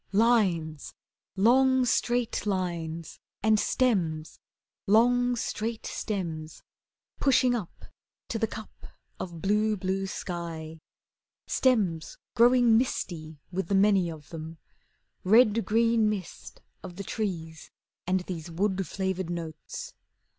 Lines long, straight lines! And stems, Long, straight stems Pushing up To the cup of blue, blue sky. Stems growing misty With the many of them, Red green mist Of the trees, And these Wood flavoured notes.